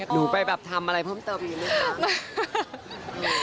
หนูไปทำอะไรเพิ่มเติมอยู่แล้ว